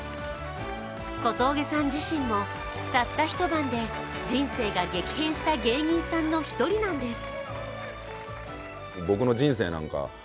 小峠さん自身もたった一晩で人生が激変した芸人さんの一人なんです。